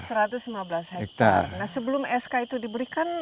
nah sebelum sk itu diberikan